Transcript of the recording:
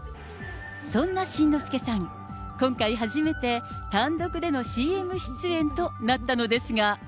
そんな新之助さん、今回、初めて単独でのＣＭ出演となったのですが。